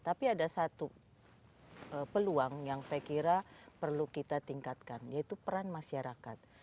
tapi ada satu peluang yang saya kira perlu kita tingkatkan yaitu peran masyarakat